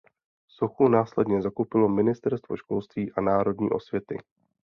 Sochu následně zakoupilo Ministerstvo školství a národní osvěty.